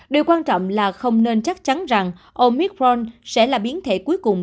điều quan trọng là không nên chắc chắn rằng omicron sẽ là biến thể cuối cùng